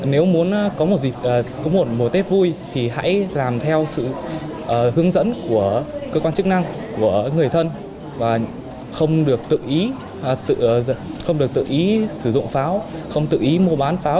nếu muốn có một mùa tết vui thì hãy làm theo sự hướng dẫn của cơ quan chức năng của người thân và không được tự ý sử dụng pháo không tự ý mua bán pháo